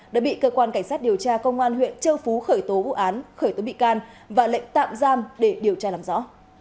đã bị cơ quan cảnh sát điều tra công an huyện châu phú khởi tố vụ án khởi tố bị can và lệnh tạm giam để điều tra làm rõ